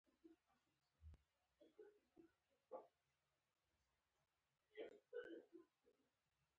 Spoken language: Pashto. بیا له حکمت الله خان کرزي سره ملاقاتونه پیل شول.